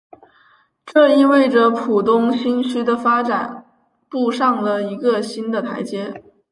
这意味着浦东新区的发展步上了一个新的台阶。